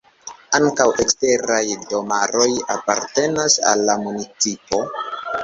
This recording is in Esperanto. Ankaŭ eksteraj domaroj apartenas al la municipo.